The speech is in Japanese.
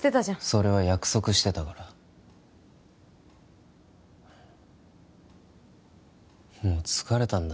それは約束してたからもう疲れたんだ